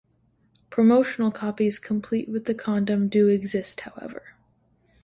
Promotional copies complete with the condom do exist however.